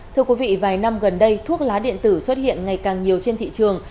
thưa quý vị vài năm gần đây thuốc lá điện tử xuất hiện ngày càng nhiều trên thị trường